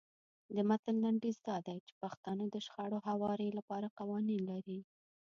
د متن لنډیز دا دی چې پښتانه د شخړو هواري لپاره قوانین لري.